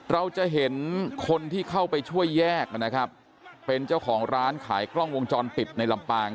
เราจะเห็นคนที่เข้าไปช่วยแยกนะครับเป็นเจ้าของร้านขายกล้องวงจรปิดในลำปาง